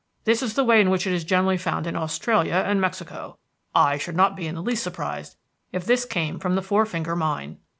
This is the way in which it is generally found in Australia and Mexico. I should not be in the least surprised if this came from the Four Finger Mine."